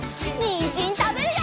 にんじんたべるよ！